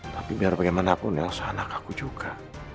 tapi biar bagaimanapun elsa anak aku juga